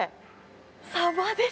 サバです。